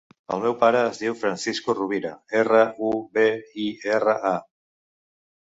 El meu pare es diu Francisco Rubira: erra, u, be, i, erra, a.